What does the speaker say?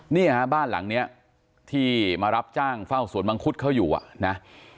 เนี่ยฮะบ้านหลังนี้ที่มารับจ้างเฝ้าสวนมังคุดเขาอยู่อ่ะนะ